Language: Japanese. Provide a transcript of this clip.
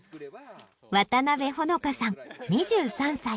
渡部帆乃香さん２３歳。